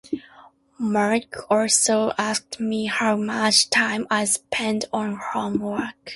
Mark also asked me how much time I spend on homework.